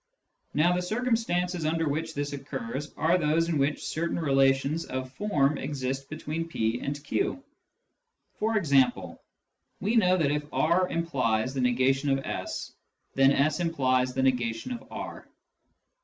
Now, the circumstances under which this occurs are those in which certain relations of form exist between p and q. For example, we know that if r implies the negation of s, then s implies the negation of r.